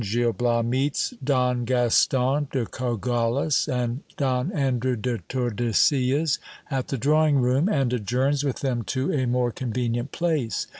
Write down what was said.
— Gil Bias meets Don Gaston de Cogollos and Don Andrew de Torde sillas at the drazmng room, and adjourns with them to a more convenient place.